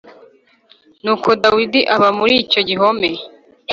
Nuko Dawidi aba muri icyo gihome